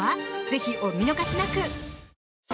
ぜひお見逃しなく！